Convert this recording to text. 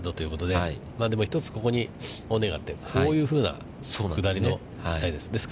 でも、１つ、ここに尾根があって、こういうふうな下りのライです。